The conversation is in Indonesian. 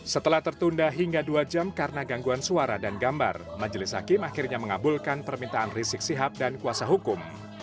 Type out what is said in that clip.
setelah tertunda hingga dua jam karena gangguan suara dan gambar majelis hakim akhirnya mengabulkan permintaan rizik sihab dan kuasa hukum